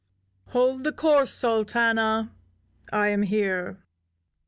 "Hold the course, Sultana, I am here!"